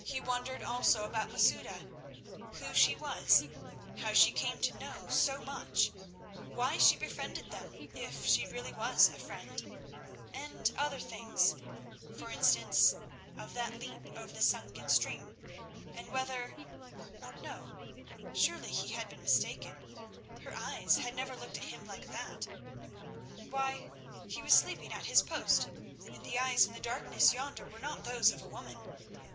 He wondered also about Masouda, who she was, how she came to know so much, why she befriended them if she really was a friend, and other things—for instance, of that leap over the sunken stream; and whether—no, surely he had been mistaken, her eyes had never looked at him like that. Why, he was sleeping at his post, and the eyes in the darkness yonder were not those of a woman.